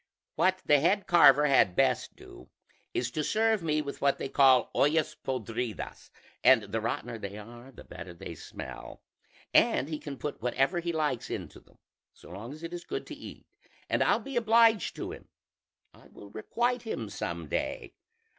What the head carver had best do is to serve me with what they call ollas podridas (and the rottener they are the better they smell); and he can put whatever he likes into them, so long as it is good to eat, and I'll be obliged to him, and will requite him some day.